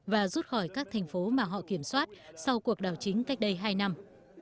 và rút khỏi các thành phố mà họ kiểm soát sau cuộc đảo chính cách đây hai năm